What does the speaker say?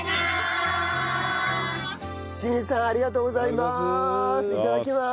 清水さんありがとうございます！